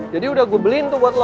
jadi udah gue beliin tuh buat lo